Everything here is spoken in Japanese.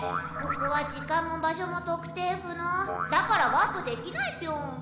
ここは時間も場所も特定不能だからワープできないピョン。